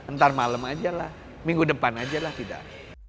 ntar malam aja lah minggu depan aja lah tidak